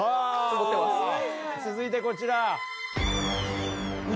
続いてこちら。